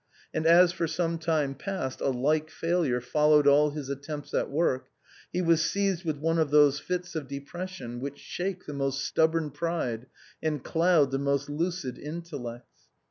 And as for some time past a like failure followed all his attempts at work, he was seized with one of those fits of depression which shake the most stubborn pride and cloud the most lucid intellects.